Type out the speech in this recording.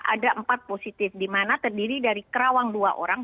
ada empat positif di mana terdiri dari kerawang dua orang